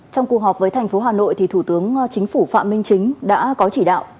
trong cuộc họp với thành phố hà nội thì thủ tướng chính phủ phạm minh chính đã có chỉ đạo